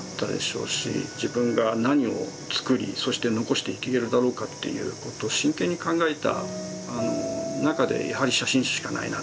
自分が何を作りそして残していけるだろうかということを真剣に考えた中でやはり写真集しかないな。